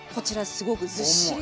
すごくずっしりと。